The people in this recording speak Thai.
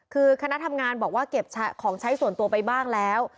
คือคณะทำงานบอกว่าเก็บของใช้ส่วนตัวไปบ้างแล้ว